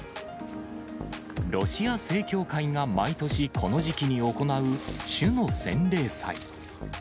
ロシア正教会が毎年この時期に行う主の洗礼祭。